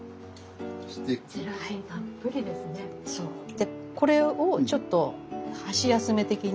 でこれをちょっと箸休め的に。